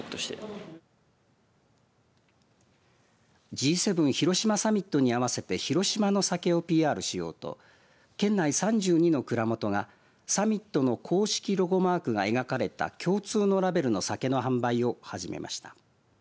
Ｇ７広島サミットに合わせて広島の酒をＰＲしようと県内３２の蔵元がサミットの公式ロゴマークが描かれた共通のラベルの酒の販売を始めました。